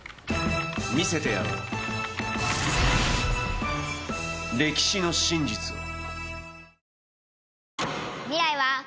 見せてやろう歴史の真実を。